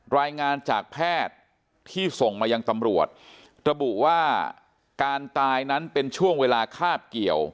รายงานจากแพทย์ที่ส่งมายังตำรวจระบุว่าการตายนั้นเป็นช่วงเวลาคาบเกี่ยว